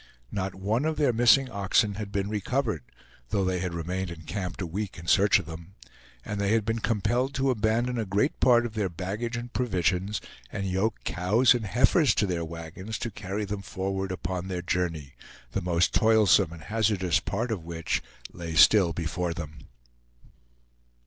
Not one of their missing oxen had been recovered, though they had remained encamped a week in search of them; and they had been compelled to abandon a great part of their baggage and provisions, and yoke cows and heifers to their wagons to carry them forward upon their journey, the most toilsome and hazardous part of which lay still before them.